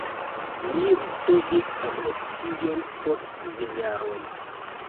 Li ricevis amnestion post kvin jaroj.